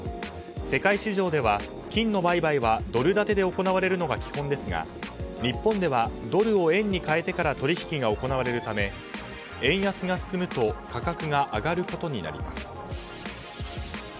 世界市場では金の売買はドル建てで行われるのが基本ですが日本では、ドルを円に換えてから取引が行われるため円安が進むと価格が上がることになります。